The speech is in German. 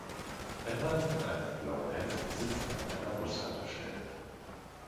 Ein Mann in einem blauen Hemd sitzt an einer Bushaltestelle.